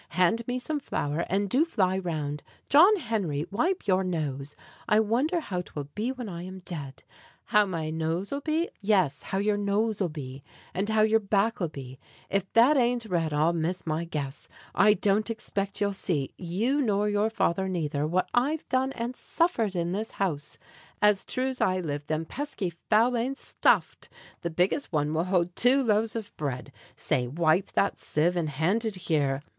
Hand me some flour, And do fly round. John Henry, wipe your nose! I wonder how 'twill be when I am dead? "How my nose'll be?" Yes, how your nose'll be, And how your back'll be. If that ain't red I'll miss my guess. I don't expect you'll see You nor your father neither what I've done And suffered in this house. As true's I live Them pesky fowl ain't stuffed! The biggest one Will hold two loaves of bread. Say, wipe that sieve, And hand it here.